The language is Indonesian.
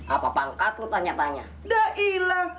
apa pangkat lu tanya tanya dahila